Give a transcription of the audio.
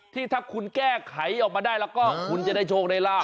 ที่ถ้าคุณแก้ไขออกมาได้แล้วก็คุณจะได้โชคได้ลาบ